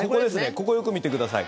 ここ、よく見てください。